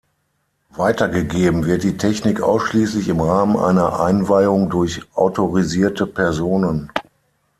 Weitergegeben wird die Technik ausschließlich im Rahmen einer „Einweihung“ durch autorisierte Personen.